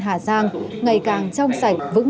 hà giang ngày càng trong sạch vững